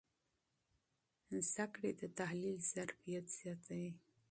علم د تحلیل ظرفیت زیاتوي.